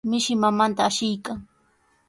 Mishi mamanta ashiykan.